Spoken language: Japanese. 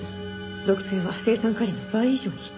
毒性は青酸カリの倍以上に匹敵します。